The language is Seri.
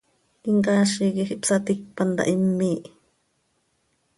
Him caazi quij ihpsaticpan taa him miih.